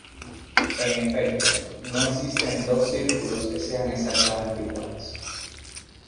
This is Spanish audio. En efecto, no existen dos círculos que sean exactamente iguales.